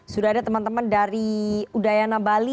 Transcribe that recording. sudah ada teman teman dari udayana bali